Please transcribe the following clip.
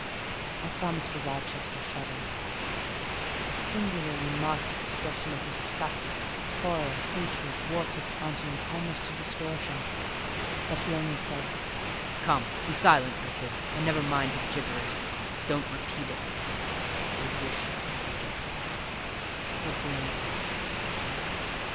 I saw Mr. Rochester shudder: a singularly marked expression of disgust, horror, hatred, warped his countenance almost to distortion; but he only said— "Come, be silent, Richard, and never mind her gibberish: don't repeat it." "I wish I could forget it," was the answer.